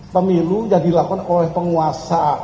pemilu yang dilakukan oleh penguasa